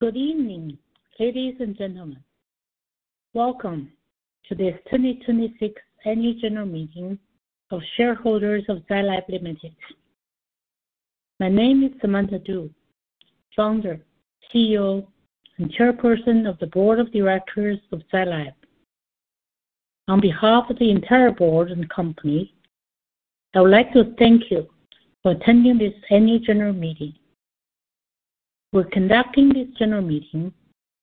Good evening, ladies and gentlemen. Welcome to this 2026 annual general meeting of shareholders of Zai Lab Limited. My name is Samantha Du, founder, CEO, and Chairperson of the Board of Directors of Zai Lab. On behalf of the entire Board and company, I would like to thank you for attending this annual general meeting. We're conducting this general meeting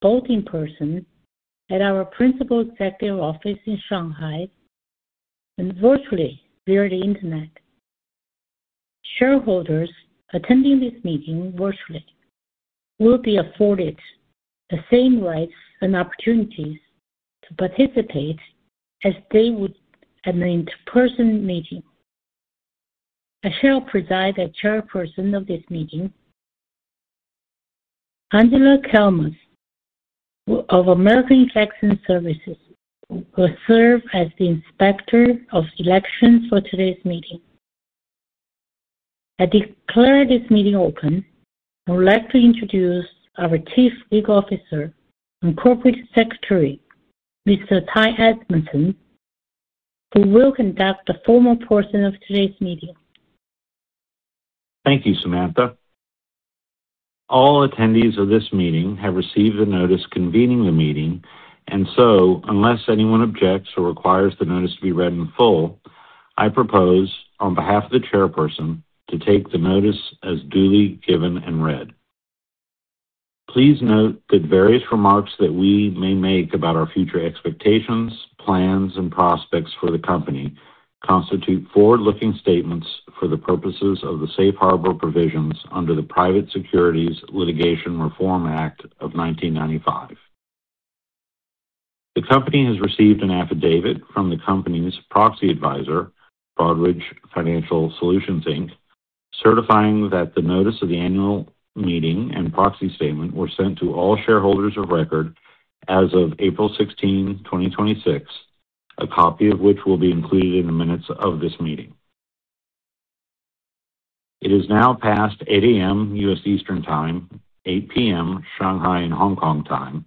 both in person at our principal executive office in Shanghai and virtually via the internet. Shareholders attending this meeting virtually will be afforded the same rights and opportunities to participate as they would at an in-person meeting. I shall preside as Chairperson of this meeting. Angela Calmus of American Election Services will serve as the Inspector of Elections for today's meeting. I declare this meeting open and would like to introduce our Chief Legal Officer and Corporate Secretary, Mr. Ty Edmondson, who will conduct the formal portion of today's meeting. Thank you, Samantha. All attendees of this meeting have received the notice convening the meeting. Unless anyone objects or requires the notice to be read in full, I propose on behalf of the Chairperson to take the notice as duly given and read. Please note that various remarks that we may make about our future expectations, plans, and prospects for the company constitute forward-looking statements for the purposes of the safe harbor provisions under the Private Securities Litigation Reform Act of 1995. The company has received an affidavit from the company's proxy advisor, Broadridge Financial Solutions Inc., certifying that the notice of the annual meeting and proxy statement were sent to all shareholders of record as of April 16, 2026, a copy of which will be included in the minutes of this meeting. It is now past 8:00 A.M. U.S. Eastern Time, 8:00 P.M. Shanghai and Hong Kong time.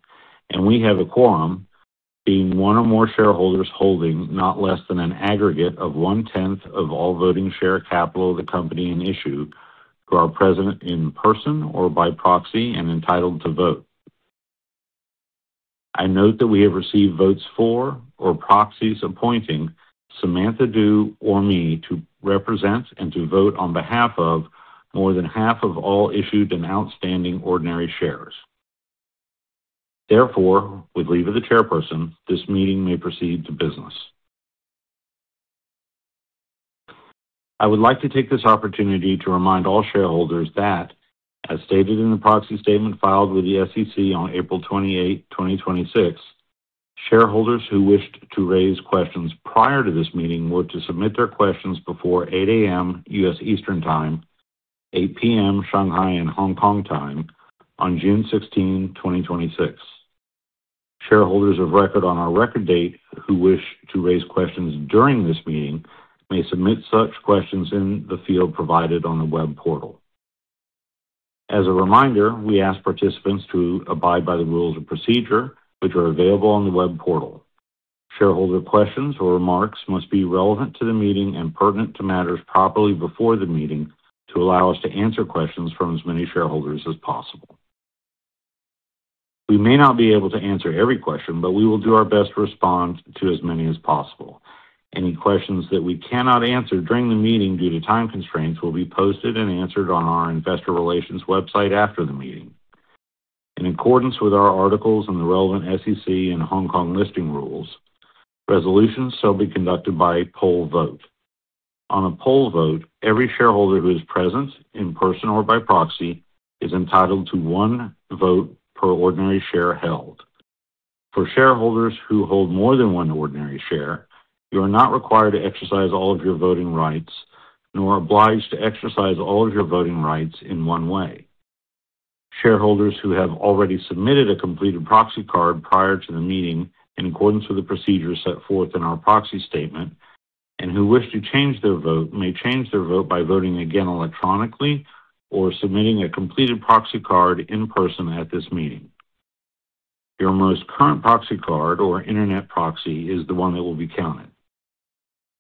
We have a quorum being one or more shareholders holding not less than an aggregate of one-tenth of all voting share capital of the company in issue who are present in person or by proxy and entitled to vote. I note that we have received votes for or proxies appointing Samantha Du or me to represent and to vote on behalf of more than half of all issued and outstanding ordinary shares. With leave of the Chairperson, this meeting may proceed to business. I would like to take this opportunity to remind all shareholders that as stated in the proxy statement filed with the SEC on April 28, 2026, shareholders who wished to raise questions prior to this meeting were to submit their questions before 8:00 A.M. U.S. Eastern Time, 8:00 P.M. Shanghai and Hong Kong time on June 16, 2026. Shareholders of record on our record date who wish to raise questions during this meeting may submit such questions in the field provided on the web portal. As a reminder, we ask participants to abide by the rules of procedure, which are available on the web portal. Shareholder questions or remarks must be relevant to the meeting and pertinent to matters properly before the meeting to allow us to answer questions from as many shareholders as possible. We may not be able to answer every question. We will do our best to respond to as many as possible. Any questions that we cannot answer during the meeting due to time constraints will be posted and answered on our investor relations website after the meeting. In accordance with our articles and the relevant SEC and Hong Kong listing rules, resolutions shall be conducted by a poll vote. On a poll vote, every shareholder who is present in person or by proxy is entitled to one vote per ordinary share held. For shareholders who hold more than one ordinary share, you are not required to exercise all of your voting rights, nor obliged to exercise all of your voting rights in one way. Shareholders who have already submitted a completed proxy card prior to the meeting in accordance with the procedure set forth in our proxy statement, and who wish to change their vote, may change their vote by voting again electronically or submitting a completed proxy card in person at this meeting. Your most current proxy card or internet proxy is the one that will be counted.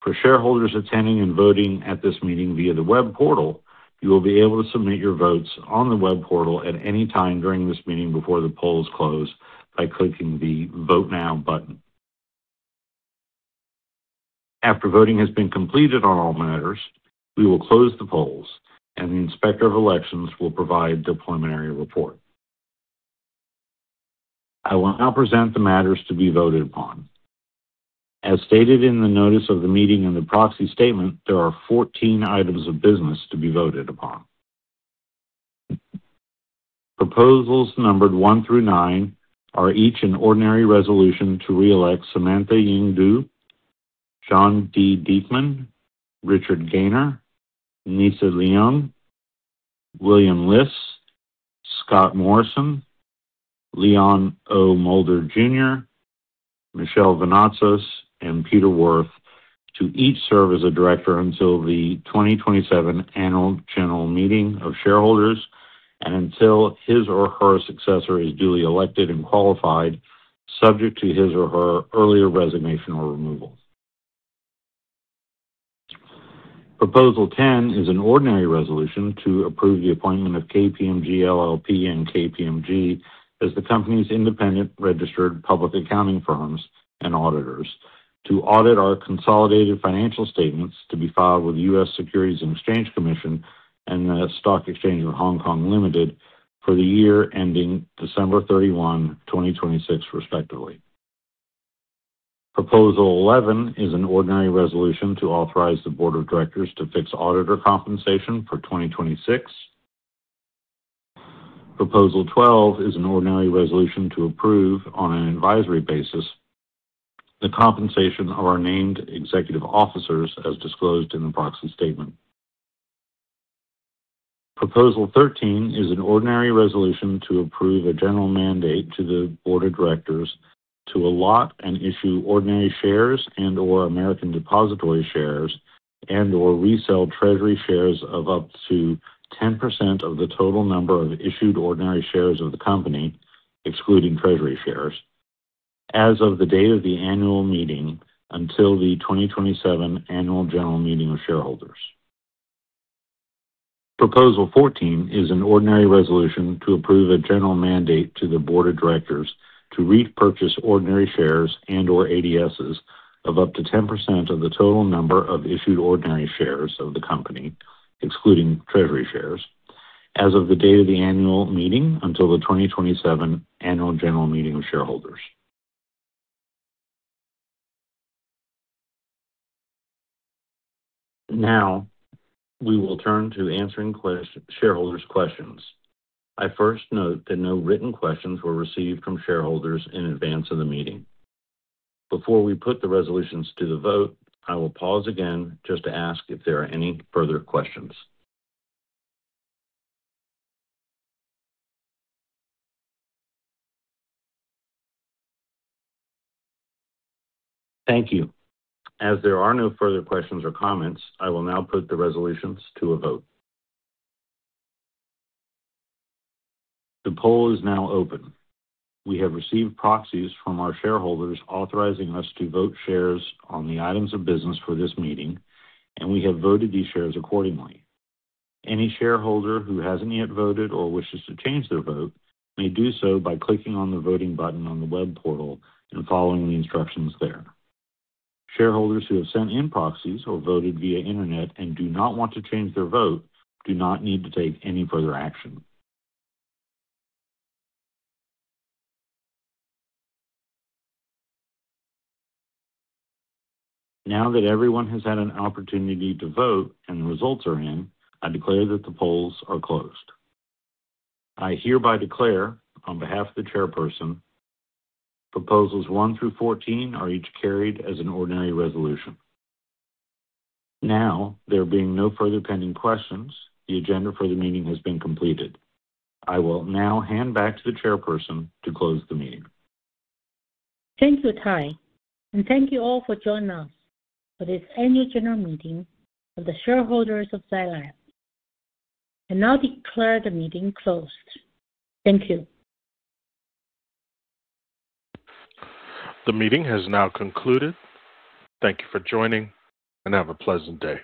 For shareholders attending and voting at this meeting via the web portal, you will be able to submit your votes on the web portal at any time during this meeting before the polls close by clicking the Vote Now button. After voting has been completed on all matters, we will close the polls, and the inspector of elections will provide the preliminary report. I will now present the matters to be voted upon. As stated in the notice of the meeting in the proxy statement, there are 14 items of business to be voted upon. Proposals numbered one through nine are each an ordinary resolution to reelect Samantha Ying Du, John D. Diekman, Richard Gaynor, Nisa Leung, William Lis, Scott Morrison, Leon O. Moulder Jr., Michel Vounatsos, and Peter Wirth to each serve as a director until the 2027 Annual General Meeting of Shareholders and until his or her successor is duly elected and qualified, subject to his or her earlier resignation or removal. Proposal 10 is an ordinary resolution to approve the appointment of KPMG LLP and KPMG as the company's independent registered public accounting firms and auditors to audit our consolidated financial statements to be filed with the U.S. Securities and Exchange Commission and The Stock Exchange of Hong Kong Limited for the year ending December 31, 2026, respectively. Proposal 11 is an ordinary resolution to authorize the board of directors to fix auditor compensation for 2026. Proposal 12 is an ordinary resolution to approve, on an advisory basis, the compensation of our named executive officers as disclosed in the proxy statement. Proposal 13 is an ordinary resolution to approve a general mandate to the board of directors to allot and issue ordinary shares and/or American Depositary Shares and/or resell treasury shares of up to 10% of the total number of issued ordinary shares of the company, excluding treasury shares, as of the date of the annual meeting until the 2027 Annual General Meeting of Shareholders. Proposal 14 is an ordinary resolution to approve a general mandate to the board of directors to repurchase ordinary shares and/or ADSs of up to 10% of the total number of issued ordinary shares of the company, excluding treasury shares, as of the date of the annual meeting until the 2027 Annual General Meeting of Shareholders. We will turn to answering shareholders' questions. I first note that no written questions were received from shareholders in advance of the meeting. Before we put the resolutions to the vote, I will pause again just to ask if there are any further questions. Thank you. There are no further questions or comments, I will now put the resolutions to a vote. The poll is now open. We have received proxies from our shareholders authorizing us to vote shares on the items of business for this meeting, and we have voted these shares accordingly. Any shareholder who hasn't yet voted or wishes to change their vote may do so by clicking on the voting button on the web portal and following the instructions there. Shareholders who have sent in proxies or voted via internet and do not want to change their vote do not need to take any further action. Now that everyone has had an opportunity to vote and the results are in, I declare that the polls are closed. I hereby declare on behalf of the chairperson, Proposals one through 14 are each carried as an ordinary resolution. There being no further pending questions, the agenda for the meeting has been completed. I will now hand back to the chairperson to close the meeting. Thank you, Ty, and thank you all for joining us for this Annual General Meeting of the shareholders of Zai Lab. I now declare the meeting closed. Thank you. The meeting has now concluded. Thank you for joining, and have a pleasant day.